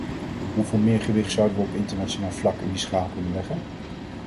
Hoeveel meer gewicht zouden we op internationaal vlak in de schaal kunnen leggen!